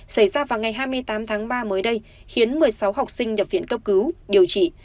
xảy ra vào ngày hai mươi tám tháng ba mới đây khiến một mươi sáu học sinh nhập viện cấp cứu điều trị